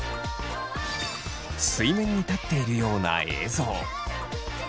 水面に立っているような映像。